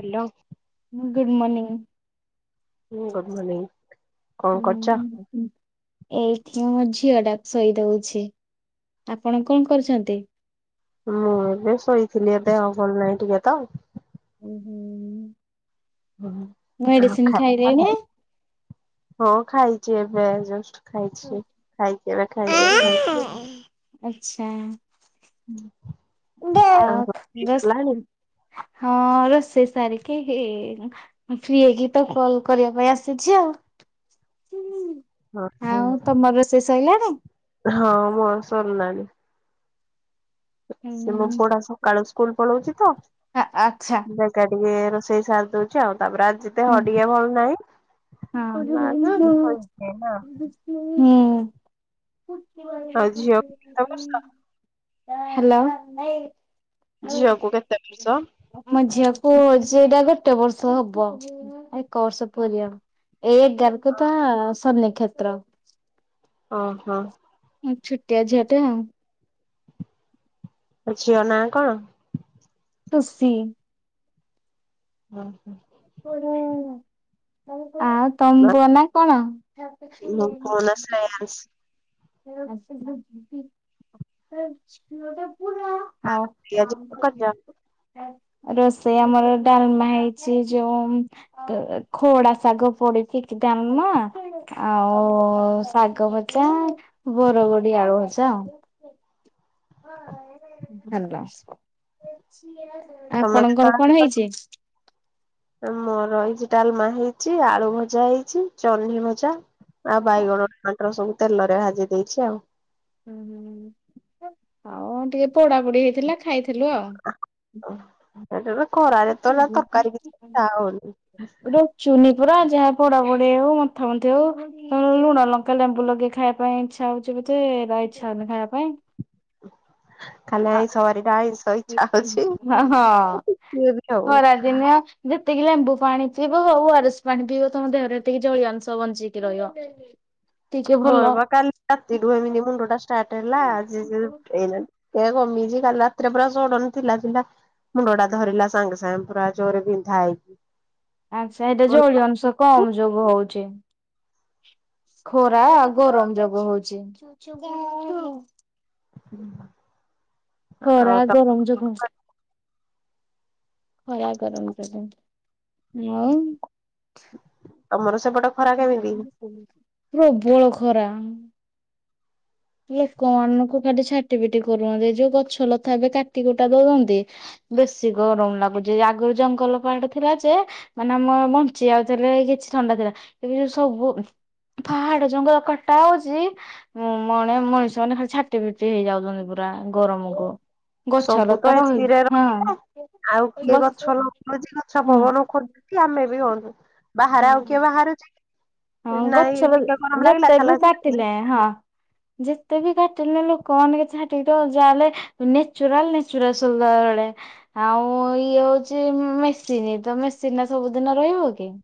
Hello. Good morning ହଁ good morning କଣ କରୁଛ? ହୁଁ। ଏଇଠି ମୁଁ ମୋ ଝିଅ ଟା ଶୋଇ ଦଉଛି ଆପଣ କଣ କରୁଛନ୍ତି? ମୁଁ ଏବେ ଶୋଇଥିଲି ଏ ଦେହ ଭଲ ନାହିଁ ଟିକେ ତ। ହୁଁ ହୁଁ। ଆଉ ମେଡିସିନ ଖା ଖାଇଲେଣି? ହଁ ଖାଇଛି ଏବେ ଜଷ୍ଟ ଖାଇଛି ଖାଇଛି ଏବେ ଖାଇଛି। ଆଛା। ହୁଁ। ଦେ ବେଶ ହଁ ରୋଷେଇ ସାରିକି ଫ୍ରି ହେଇକି ତ କଲ କରିବା ପାଇଁ ଆସିଛି ଆଉ। ହଁ। ଶୋଇିଲେଣି। ହଁ ମର ଶରିଲାଣିି। ସେ ମୋ ପୁଅ ଢା ସକାଳୁ ସ୍କୁଲ ପଳାଉଛି ତ ଆ ଆଚ୍ଛା ଟିକେ ରୋଷେଇ ସାରି ଦଉଛି ଆଉ। ତାପରେ ଆଜି ହଁ। ଦେହ ଟିକେ ଭଲ ନାହିଁ। ହଁ। ହୁଁ। ଆଉ ଝିଅ କେତେ ବର୍ଷ ହାଲୋ ଝିଅକୁ କେତେ ବର୍ଷ? ମ ଝିଅ କୁ ସେଇଟା ଗୋଟେ ବର୍ଷ ହବ ଏକ ବର୍ଷ ପୁରିବ। ଏଇ ଏଗାର କୁ ତା ସନିକ୍ଷେତ୍ର। ଓ ହୋ। ଛୁଟିଆ ଝିଅଟେ ଆଉ। ଆ ଝିଅ ନା କଣ? ଟୁସି। ହୁଁ ହୁଁ। [unintelligible] ଆଉ ତମ ପୁଅ ନା କଣ? [inaudible] ମୋ ପୁଅ ନାଁ ଶ୍ରେୟାଂଶ ଆଉ ହଁ ପିଆଜ଼ [unintelligible] ରୋଷେଇ ଆମର ଡାଲମା ହେଇଛି। ଯୋଉ କ ଖଡା ଶାଗ ପଡିଛି କି ଡାଲମା ଆଉ ଆଉ ଶାଗ ଭଜା ବରଗୋଡି ଆଳୁ ଭଜା ଆଉ। [inaudible] ହାଲ। ତମେ ଆପଣଙ୍କର କେତେବେଳେ କଣ ହେଇଛି? ମୋର ହେଇଛି ଡାଲମା ହେଇଛି ଆଳୁ ଭଜା ହେଇଛି ଚହ୍ନି ଭଜା ଆଉ ହଁ। ବାଇଗଣ ଟମାଟର ସବୁ ତେଲରେ ଭାଜି ଦେଇଛି ଆଉ। ହୁଁ ହୁଁ ହଉ ଟିକେ ପୋଡାପୋଡି ହେଇଥିଲା ଖାଇ ଥିଲୁ ଆଉ। ଏଟାରେ ଖରାରେ ତ ନା ତରକାରୀ କିଛି ଇଚ୍ଛା ହଉନି। ର ଚୁନି ପୁରା ଯାହା ପୋଡା ପଡି ହଉ ମଥା ମନ୍ଥି ହଉ ଲୁଣ ଲଙ୍କା ଲେମ୍ବୁ ଲଗେଇ ଖାଇବା ପାଇଁ ଇଚ୍ଛା ହଉଛି। ଏତେ ଏରା ଇଛା ହଉନି ଖାଇବା ପାଇଁ। କାଲି ଆଇଁଷ ବାରିଟା, ଆଇଁଷ ଇଛା ହଉଛି। ହଁ ହୁଏ ବି ଖାଉ। ଟିକେ ଲେମ୍ବୁ ପାଣି ପିଇବ ଆଉ ଓ ଆର ସ୍ ପାଣି ପିଇବ ତମ ଦେହରେ ସେତିକି ଜଳୀୟ ଅଂଶ ବଞ୍ଚିକି ରହିବ। ଟିକେ ଭଲ। ମୋର ବା କାଲି ରାତିଠୁ ଏମିତି ମୁଣ୍ଡ ଟା ଷ୍ଟାର୍ଟ ହେଲା ଆଜି [unintelligible] କମିଚି କାଲି ରାତିରେ ପୁରା ସଡନ ଥିଲା ଥିଲା ମୁଣ୍ଡଟା ଧରିଲା ସାଙ୍ଗେ ସାଙ୍ଗେ ପୁରା ଜୋରେ ବିନ୍ଧା ହେଇକି ଆଚ୍ଛା ଏଇଟା ଜଳିଅ ଅଂଶ କମ ଯୋଗୁ ହଉଛି। [inaudible] ଖରା ଗରମ ଯୋଗୁ ହଉଚି। ହୁଁ। ଖରା ଗରମ ଯୋଗୁ ଖରା ଗରମ କେତେ ଆଉ ତମର ସେପଟେ ଖରା କେମିତି? ପ୍ରବଳ ଖରା। ଲୋକମାନଙ୍କୁ ଖାଲି ଛାଟି ପିଟି କରୁଛନ୍ତି, ଏ ଯୋଉ ଗଛ ଲତା ଏବେ କାଟି କୁଟା ଦଉଛନ୍ତି ବେଶି ଗରମ ଲାଗୁଛି ଆଗୁରୁ ଜଙ୍ଗଲ ପାହାଡ ଥିଲା ଯେ ମାନେ ଆମେ ବଞ୍ଚି ଯାଉଥିଲେ କିଛି ଥଣ୍ଡା ଥିଲା ଏବେ ଯୋଉ ସବୁ ପାହାଡ ଜଙ୍ଗଲ କଟା ହଉଛି ଉଁ ମଣେ ମଣିଷ ମାନେ ଖାଲି ଛାଟି ପିଟି ହେଇ ଯାଉଛନ୍ତି ପୁରା ଗରମକୁ। ଗଛ ସବୁ ତ ଲତା ରହି ଏସିରେ ହଁ। ରହିଲେ ଆଉ କିଏ ଗଛ ଲଗଉଛି, ଗଛ ହଁ ପବନ ଖୋଜୁଛି ଆମେ ବି ହଉ। ବାହାରେ ଆଉ ହଁ କିଏ ବାହାରୁଛି କି? ହଁ ଗଛ ଲ ଯେତେବି କାଟିଲେ ହଁ। ଯେତେ ବି କାଟିଲେ ନା ଲୋକମାନେ ଛାଟିପିଟି ହଉ ଯାହାହେଲେ ନେଚୁରାଲ ନେଚୁରାଲ ସୁନ୍ଦର ମିଳେ। ଆଉ ଇଏ ହଉଛି ମେସିନି ତ ମେସିନଟା ସବୁଦିନ ରହିବ କି।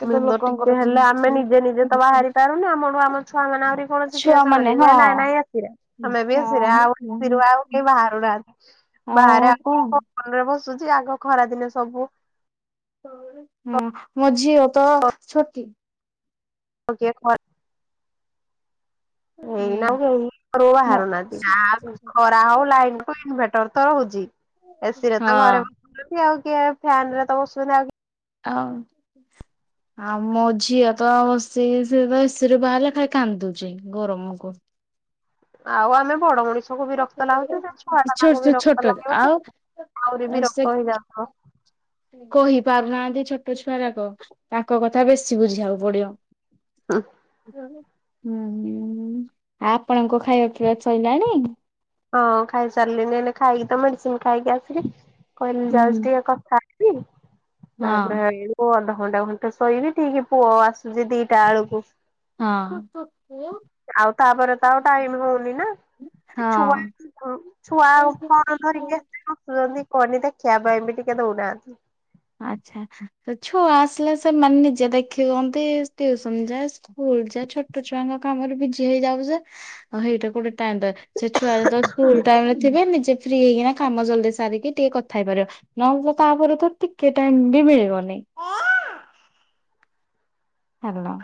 କେତେ ମନ ଲୋକଙ୍କର ଟିକେ ହେଲେ ଯେମିତି ଆମେ ନିଜେ ନିଜେ ତ ବାହାରି ପାରୁନୁ, ଆମଠୁ ଆମ ଛୁଆ ମାନେ ଆହୁରି କଣ ଶିଖିବେ ଛୁଆ ମାନେ ସେମାନେ ହଁ ନାଇଁ ନାଇଁ ଏ ସି ରେ, ଆମେ ବି ଏ ସି ରେ ଆଉ ଏ ସି ହଁ ରୁ ଆଉ କିଏ ବାହାରୁନାହାନ୍ତି। ନାହାନ୍ତି ଆଉ କଣ? ଆସୁଚି ଆଗ ଖରା ଦିନେ ସବୁ ହୁଁ ମୋ ଝିଅ ତ ଛୋଟି। ଓ କେ ଖ ହୁଁ ଏଇନା ଆଉ କେହି ଘରୁ ମୋ ବାହାରୁ ନାହାନ୍ତି ନା ଖରା ହଉ ଲାଇନକୁ ଇନଭେ ଟର ତ ହଉଛି ଏ ସି ରେ ହଁ ତ ଘରେ ବସୁଛନ୍ତି ଆଉ କିଏ ଫ୍ୟାନରେ ତ ବସୁନାହାନ୍ତି। ହଉ। ଆଉ ମୋ ଝିଅ ତ ବସି ସେ ତ ଏ ସି ରେ ବାହାରିଲେ ଖାଲି କାନ୍ଦୁଚି ଗରମକୁ। ଆଉ ଆମେ ବଡ ମଣିଷଙ୍କୁ ବିରକ୍ତ ଲାଗୁଛି, ସେ ଛୁଆଟା ତାକୁ ଛୋଟ ଛୋଟ ବିରକ୍ତ ଲାଗିବନି। ଆଉ ଆଉରି ସେ ବିରକ୍ତ ହେଇଯାଉ ଥିବ। କହି ପାରୁନାହାନ୍ତି ଛୋଟଛୁଆ ଯାକ, ତାଙ୍କ କଥା ବେଶୀ ବୁଝିବାକୁ ପଡିବ। ହୁଁ। ହୁଁ ଆପଣଙ୍କ ଖାଇବା ପିଇବା ସଇଲାଣି। ହଁ ଖାଇ ସାରିଲିଣି ଏଇନେ ଖାଇକି ତ ମେଡିସିନ ଖାଇକି ଆସିଲି। କହିଲି ହୁଁ ଯାଉଛି ଟିକେ କଥା ହେବି, ହଁ ତାପରେ ଇଏ ଯୋଉ [unintelligible] ଘଣ୍ଟା ଘଣ୍ଟେ ଶୋଇବି ଠିକ୍ ପୁଅ ଆସୁଛି ଦିଟା ବେଳକୁ। ହଁ ଆଉ ତାପରେ ତ ଆଉ ଟାଇମି ହଉନି ନା। ଛୁଆ ହଁ। ଆଉ ଛୁଆ ଆଉ ଫୋନ୍ ଧରିକି ଆସିକି ବସୁଛନ୍ତି କରିଦେ। ଖିଆ ପାଇଁ ବି ଟିକେ ଦଉ ନାହାନ୍ତି। ଆଚ୍ଛା ତ ଛୁଆ ଆସିଲେ ସେମାନେ ନିଜେ ଦେଖି ହୁଅନ୍ତି, ଟ୍ୟୁସନ ଯା ସ୍କୁଲ ଯା ଛୋଟଛୁଆଙ୍କ କାମରେ ବିଜି ହେଇଯାଉ ଯେ ଆଉ ସେଇଟା ଗୋଟେ ଥାଆନ୍ତ ସେ ଛୁଆ ଯେତେବେଳେ ସ୍କୁଲ ଟାଇମରେ ଥିବେ ନିଜେ ଫ୍ରି ହେଇକିନା କାମ ଜଲଦି ସାରିକି ଟିକେ କଥା ହେଇପାରିବା ନହେଲେ ତ ତାପରେ ତ ଟିକେ ଟାଇମ ବି ମିଳିବନି। ହାଲୋ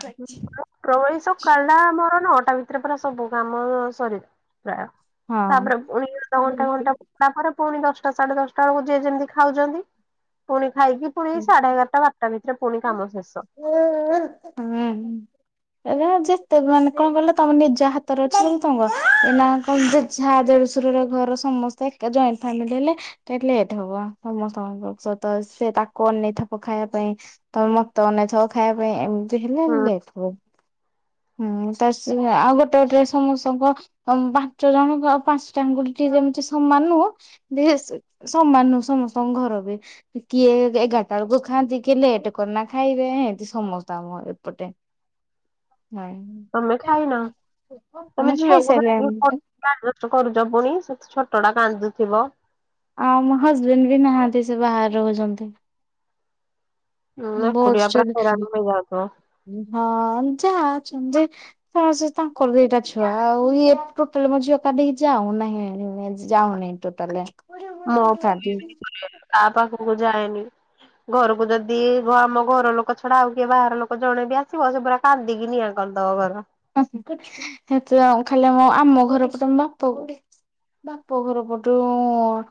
ପ୍ରଭୁ ଏଇ ସକାଳ ଟା ମୋର ନଅଟା ଭିତରେ ପୁରା ସବୁ କାମ ସରିଯାଉ ପ୍ରାୟ, ହଁ ତାପରେ ପୁଣି ଅଧଘଣ୍ଟା ଘଣ୍ଟା ଗଲାପରେ ପୁଣି ଦଶଟା ସାଢେ ଦଶଟା ବେଳକୁ ଯିଏ ଯେମିତି ଖାଉଛନ୍ତି, ପୁଣି ଖାଇକି ପୁଣି ସାଢେଏଗାରଟା ବାରଟା ଭିତରେ ପୁଣି କାମ ଶେଷ। ହୁଁ ଏରା ଯେତେ ମାନେ କଣ କିଲ, ତମେ ନିଜ ହାତରେ ଅଛି ବୋଲି ତମରଏ, ନା କଣ ଯାହା ଶଶୁର ଘର ସମସ୍ତେ ଏକା ଜଏଣ୍ଟ ଫାମିଲି ହେଲେ ଟିକେ ଲେଟ ହବ, ସମସ୍ତଙ୍କ ସେ ତାକୁ ଅନେଇଥିବ ଖାଇବା ପାଇଁ ତ ମତେ ଅନେଇଥିବ ଖାଇବା ପାଇଁ, ଏମିତି ହେଲେ ଲେଟ୍ ହୁଏ। ହଁ [inaudible] ହୁଁ, ତ ଆଉ ଗୋଟେ ଗୋଟେ ସମସ୍ତଙ୍କ ପାଞ୍ଚ ଜଣ ଆଉ ପାଞ୍ଚଟାଆଙ୍ଗୁଠି ଠିକ ହୁଏନି। ସମାନ ନୁହଁ, ସମାନ ନୁହଁ, ସମସ୍ତଙ୍କ ଘର ବି କିଏ ଏଗାରଟା ବେଳକୁ ଖାଆନ୍ତି, କିଏ ଲେଟ କରିକିନା ଖାଇବେ ଏମିତି ସମସ୍ତ ଆମର ଏପଟେ ତମେ ଖାଇନ ହଁ ତମେ ଝିଅକୁ ଧରିକି କରୁଛ ଆଡଜଷ୍ଟ୍ କରୁଛ ପୁଣି ସେ ତ ଛୋଟଟା କାନ୍ଦୁଥିବ। ଆଉ ମୋ ହଜବେଣ୍ଡ ବି ନାହାନ୍ତି ସେ ବାହାରେ ରହୁଛନ୍ତି। ହୁଁ ଏକୁଟିଆ ପୁରା ହଇରାଣ ବସିଛନ୍ତି ହେଇଯାଉଥିବ। ହଁ ଯା ହଁ ସେ ତାଙ୍କର ଦିଇଟା ଛୁଆ ଆଉ ଇଏ ଟୋଟାଲ ମୋ ଝିଅ କାହା କତିକି ଯାଉନାହିଁ ଯାଉନି ଟୋଟାଲେ। ମୋ [unintelligible] କାହା ପାଖକୁ ଯାଏନି ଘରକୁ ଯଦି ଆମ ଘର ଲୋକ ଛଡ଼ା ଆଉ କିଏ ବାହାର ଲୋକ ଜଣେ ବି ଆସିବ, ସେ ପୁରା କାନ୍ଦିକି ନିଆଁ କର ଚା ଦ ବା [unintelligible] ଆ ଖାଲି ଆମ ଘର ତମ ବାପା ଗୋଟେ ବାପ ଘର ପଟୁ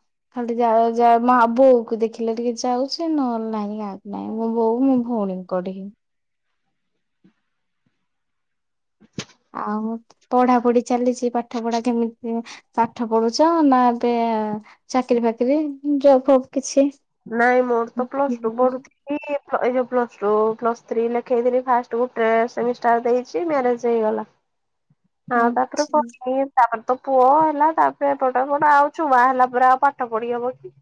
ଖାଲି ଯାହା ମା, ବୋଉ କୁ ଦେଖିଲେ ଟିକେ ଯାଉଛି, ନହେଲେ ନାହିଁ, କାହାକୁ ନାହିଁ, ମୋ ବୋଉ ମୋ ଭଉଣୀ ମୁୁଣି କ ହି [unintelligible] ଆଉ ପଢାପଢି ଚାଲିଛି, ପାଠ ପଢା କେମିତି, ପାଠ ପଢୁଛ ନା ଏବେ ଚାକିରିଫାକିରି ଜବ ଫବ କିଛି? ନାଇଁ, ମୋର ତ ପ୍ଲସ ଟୁ ପଢ଼ୁଥିଲି ଏଇ ଯୋଉ ପ୍ଲସ ଥ୍ରୀ ଲେଖେଇ ଥିଲି, ଫାଷ୍ଟ ଗୋଟେ ସେମିଷ୍ଟାର ଦେଇଛି ମ୍ୟାରେଜ ହେଇଗଲା। ଆଁ ତାପରେ କଣ [unintelligible] ତ ପୁଅ ହେଲା, ତାପରେ ଏପଟେ ହେପଟ, ଆଉ ଛୁଆ ହେଲା ପରେ ଆଉ ପାଠ ପଢି ହବ କି?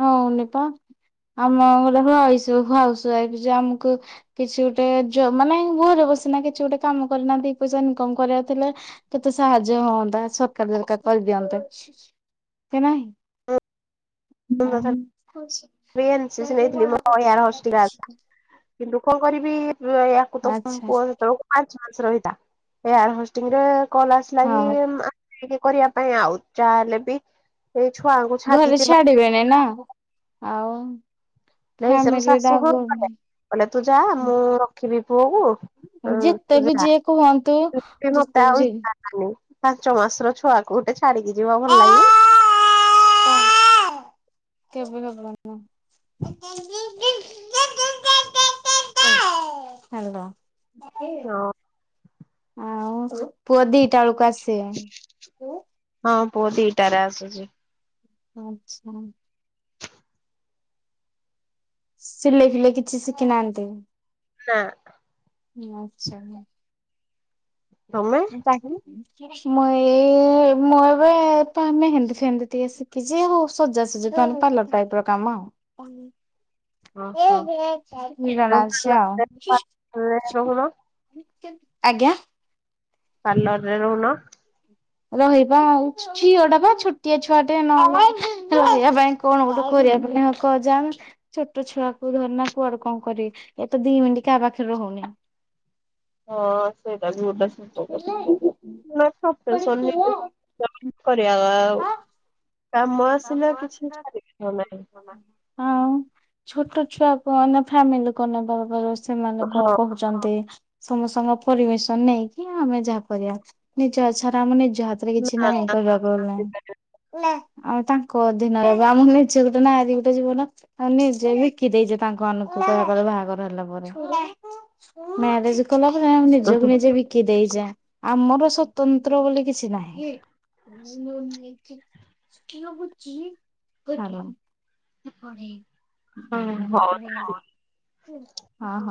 ହଉନି ପା ଆମ ଗୋଟେ ହଉଛୁ ହାଉସ୍ [unintelligible] ଆମକୁ କିଛି ଗୋଟେ ମାନେ କିଛି ନା କିଛି ଗୋଟେ କାମ କରିକିନା ଦି ପଇସା ଇନକମ କରିବାକୁ ଥିଲେ କେତେ ସାହାଯ୍ୟ ହୁଅନ୍ତା [unintelligible] ଅ ସେ ନାହିଁ [unintelligible] ନେଇଥିଲ ମାର ହଷ୍ଟେଲ [unintelligible] କିନ୍ତୁ କଣ କରିବି, ୟାକୁ ତ ଆଚ୍ଛା ପୁଅ ସେତେବେଳକୁ ରଲ ଆସ ହଁ କି [unintelligible] କରିବା ପାଇଁ ଆଉ ଯାହାହେଲେ ବି ସେଇ ଛୁଆଙ୍କୁ ଘରେ ଛାଡି଼କି ଯିବା ଛାଡିବେନି ଆଉ ନାଇଁ ସେ ମୋ ଫ୍ୟାମିଲି ଟା ଶାଶୁ କହୁଥିଲେ, ଆଗ କହିଲେ ତୁ ଯା ମୁଁ ରଖିବି ପୁଅ କୁ ହଁ ଯେତେ ବି ଗୁଜୁର ଯିଏ କୁହନ୍ତୁ ଯେତେ ମତଚ ବି ଯିଏ [unintelligible] ପାଞ୍ଚ ମାସର ଛୁଆକୁ ଗୋଟେ ଛାଡିକି ଯିବା ଭଲ ଲାଗିବ କେବ [inaudible] ହାଲୋ ହଁ ଆଉ ପୁଅ ଦିଟା ବେଳକୁ ଆସ ସେ [unintelligible] ପୁଆ ଦିଟା ରେ ଆସୁଛି। ଆଚ୍ଛା। ସିଲେଇ ଫିଲେଇ କିଛି ଶିଖି ନାହାନ୍ତି? ନାଁ। ଆଚ୍ଛା। ତମେ ଉଁ ତାକ୍ ଲି। ମୁଁ ଏଇ-ଇ-ଇ ମୁଁ ଏବେ ମେହେନ୍ଦୀ ଫେହେନ୍ଦୀ ଟିକେ ଶିଖିଛି। ଆଉ ସଜା ସଜି ତାଲେ ପାର୍ଲର ଟାଇପ୍ ର କାମ। ରେ ମି ଜଣ ଅଛି ଆଉ। ରହୁନ ଆଜ୍ଞା? ପାର୍ଲରରେ ରହୁନ। ରହିବା ଆଉ। ଝିଅ ଟା ପା ଛୋଟିଆ ଛୁଆଟେ, ନହେଲେ ରହିବା ପାଇଁ କଣ ଗୋଟେ [unintelligible] ଛୋଟ ଛୁଆ କୁ ଧରି ନା କୁଆଡ଼େ କଣ କରିବି। ଇଏ ତ ଦି ମିନ୍ଟି କା ପାଖରେ ରହୁ ହୁନି। ହଁ ସେ ଏଟା ବି ଗୋଟେ ସତ କଥା [inaudible] କରିବା-ଆ- ଆଉ କାମ ଆସିଲା କିଛି ପାରିବିନା ନାହିଁ। ଆଉଁ, ଛୋଟ ଛୁଆ କୁ ଅନା ଫାମିଲି କ ନବା ବବାର ଅସ ସେମାନେ କଣ ହଁ। କହୁଚନ୍ତି? ସମସ୍ତଙ୍କ ପରମିସନ୍ ନେଇକି ଆମେ ଯାହା କରିବା। ନିଜ ଇଚ୍ଛାରେ ଆମ ନି ହାତରେ କିଛି ନାହିଁ କହିବାକୁ ଗଁଲେ। ଆଉ ତାଙ୍କ ଅଧୀିନରେ ଆମ ନିଜେ ଗୋଟେ ନାରୀ ଗୁଟେ ଜୀବନ ଆଉ ନିଜେ ବିକି ଦେଇଛେ ତାଙ୍କ ମାନଙ୍କୁ। [unintelligible] ବାହାଘର ହେଲା ପରେ, ମ୍ୟାରେଜ କଲା ପରେ ଆମେ ନିଜକୁ ହଁ ନିଜେ ବିକି ଦେଇଚେଁ। ଆମର ସ୍ଵତନ୍ତ୍ର ବୋଲି କିଛି ନାହିଁ। ହାଲୋ! [inaudible] ହଉ। ହଁ ହଁ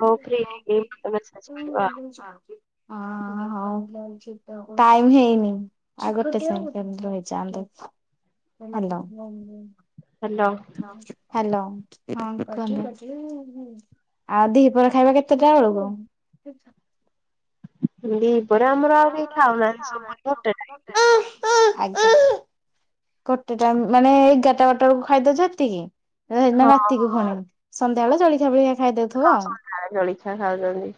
ଗ୍ରୁପରେ ଏଇ ମତେ ମେସେଜ କରିବ ହଉ। ଆଉ। ଟାଇମ୍ ହେଇନି ଆଗୋଟେ ସେକେଣ୍ଡ ରହିଯାନ୍ତୁ। ହାଲୋ! ହାଲୋ ହ୍ୟାଲୋ ହଁ କୁହନ୍ତୁ, ଆଉ ଦିହିପହର ଖାଇବା କେତେଟା ଆଳକୁ? ପିନ୍ ଛା। ହିନ୍ଦିପ୍ ଦିପହରେ ଆମର ଆଉ କିଏ, ଖାଉନାହାଁନ୍ତି। [unintelligible] ଆଜ୍ଞା, ଗୋଟେ ଟାଇମ୍ ମାନେ ଏଗାରଟା ବାଟା ବଳକୁ ଖାଇଦଉଛୁ ହେତିକି। ହେଇନି ନା ହଁ ରାତିକୁୁ ଫୁଣି। ସନ୍ଧ୍ୟା ବେଳେ ଜଳିଖିଆ ଫଳିଖିଆ ଖାଇ ଦୋଉଥିବ ହଁ ଆଉ ଜଳଖିଆ ଖାଉଛନ୍ତି।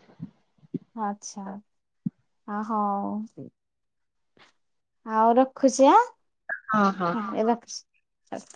ଆଛା। ଅ ହୋଉ ଆଉ ରଖୁଛି ଆଁ? ହଁ ହଁ। ଆସ୍